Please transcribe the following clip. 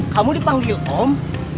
kamu dipanggil om